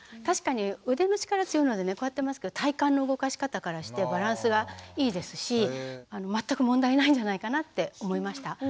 確かに腕の力強いのでねこうやってますけど体幹の動かし方からしてバランスはいいですし全く問題ないんじゃないかなって思いました。